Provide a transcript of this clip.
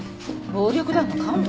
暴力団の幹部？